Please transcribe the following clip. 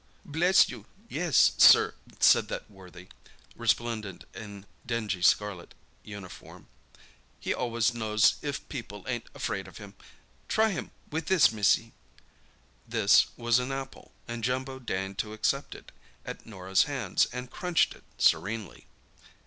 "Bless you, yes, sir," said that worthy, resplendent in dingy scarlet uniform. "He alwuz knows if people ain't afraid of him. Try him with this, missy." "This" was an apple, and Jumbo deigned to accept it at Norah's hands, and crunched it serenely.